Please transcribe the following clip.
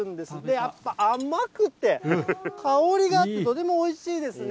やっぱ甘くて、香りがあって、とてもおいしいですね。